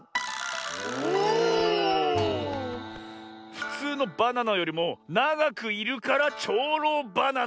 ふつうのバナナよりもながくいるから「ちょうろうバナナ」。